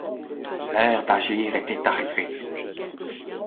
L’heure d’agir était arrivée.